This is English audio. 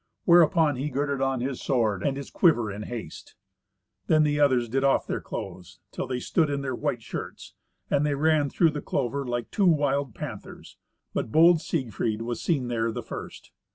Whereupon he girded on his sword and his quiver in haste. Then the others did off their clothes, till they stood in their white shirts, and they ran through the clover like two wild panthers; but bold Siegfried was seen there the first.